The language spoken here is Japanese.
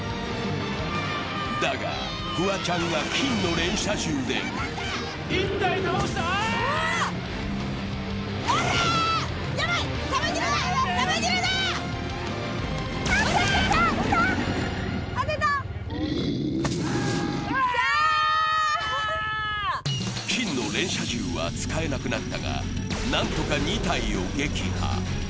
だが、フワちゃんが金の連射銃で金の連射銃は使えなくなったが、何とか２体を撃破。